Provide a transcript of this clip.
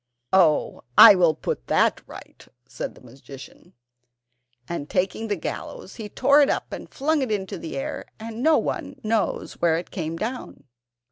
"Oh, I will put that right," said the magician; and taking the gallows, he tore it up and flung it into the air, and no one knows where it came down.